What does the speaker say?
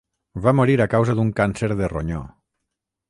Va morir a causa d'un càncer de ronyó.